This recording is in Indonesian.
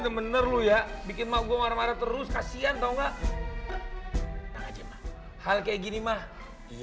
maksimal ya bikin mau marah marah terus kasihan tahu nggak hal kayak gini mah